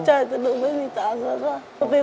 ใช่แต่ผมไม่มีจักรค่ะ